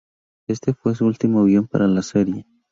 Este fue su último guion para la serie.